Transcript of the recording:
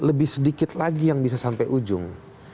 lebih sedikit lagi yang bisa sampai ujung